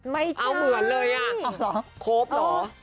ไม่ใช่เอาเหมือนเลยอ่ะโคบหรอ